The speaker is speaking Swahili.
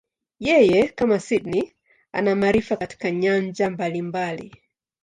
Yeye, kama Sydney, ana maarifa katika nyanja mbalimbali.